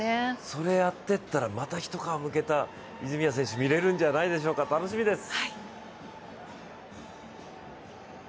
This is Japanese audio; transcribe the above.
それやってったらまた一皮むけた泉谷選手が見られるんじゃないでしょうか、楽しみです。